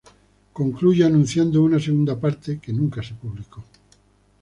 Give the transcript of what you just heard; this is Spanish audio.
Concluye anunciando una segunda parte, que nunca se publicó.